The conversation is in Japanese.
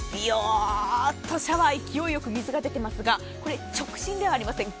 シャワー、勢いよく水が出ていますが直進ではありません。